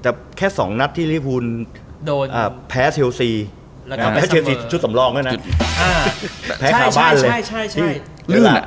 แต่แค่๒นัดที่ริภูลแพ้เชลซีทำให้เชลซีชุดสำรองด้วยนะ